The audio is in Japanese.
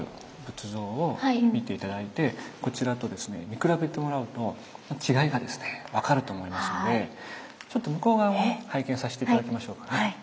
見比べてもらうと違いがですね分かると思いますのでちょっと向こう側を拝見させて頂きましょうかね。